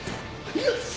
よし！